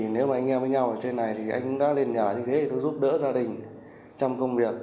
nếu mà anh em với nhau ở trên này thì anh cũng đã lên nhà như thế thì tôi giúp đỡ gia đình trong công việc